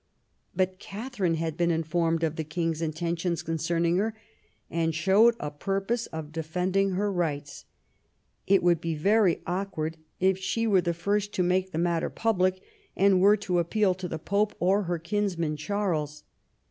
But Katharine had been informed of the king's inten tions concerning her, and stowed a purpose of defending her rights. It would be very awkward if she were the first to make the matter public, and were to appeal to the Pope or her kinsman Charles.